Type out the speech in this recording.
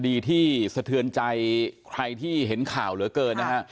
คดีที่เสือหนใจใครที่เห็นข่าวเลอเกิน